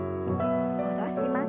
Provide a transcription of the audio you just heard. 戻します。